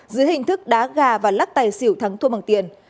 dưới hình thức đá gà và lắc tài xỉu thắng thua bằng tiền